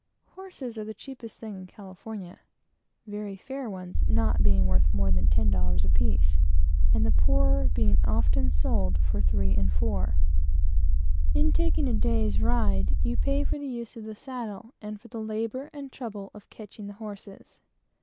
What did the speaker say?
Horses are the cheapest thing in California; the very best not being worth more than ten dollars apiece, and very good ones being often sold for three, and four. In taking a day's ride, you pay for the use of the saddle, and for the labor and trouble of catching the horses.